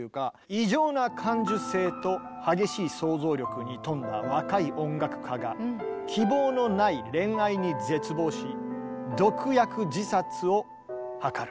「異常な感受性と激しい想像力に富んだ若い音楽家が希望のない恋愛に絶望し毒薬自殺を図る。